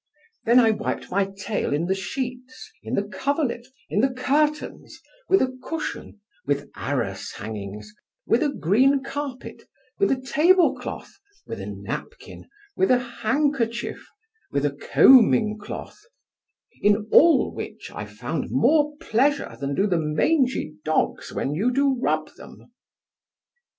Then I wiped my tail in the sheets, in the coverlet, in the curtains, with a cushion, with arras hangings, with a green carpet, with a table cloth, with a napkin, with a handkerchief, with a combing cloth; in all which I found more pleasure than do the mangy dogs when you rub them.